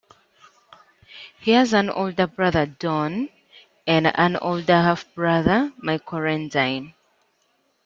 He has an older brother, Don, and an older half-brother, Michael Rendine.